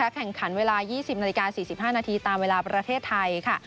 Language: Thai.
แข่งขันเวลา๒๐นาฬิกา๔๕นาทีตามเวลาประเทศไทยค่ะ